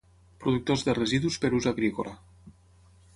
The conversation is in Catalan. Productors de residus per ús agrícola.